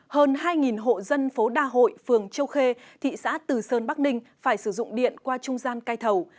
hơn hai hộ dân phố đa hội phường châu khê thị xã từ sơn bắc ninh phải sử dụng điện qua trung gian cai thầu